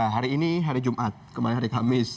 hari ini hari jumat kemarin hari kamis